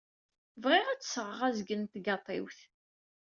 Bɣiɣ ad d-sɣeɣ azgen n tgaṭiwt.